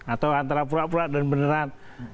atau antara pura pura dan beneran